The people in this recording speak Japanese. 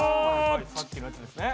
さっきのやつですね。